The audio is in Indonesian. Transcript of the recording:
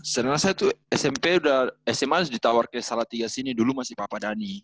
sebenernya saya tuh smp udah sma ditawar ke salah tiga sini dulu masih papa dhani